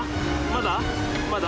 まだ？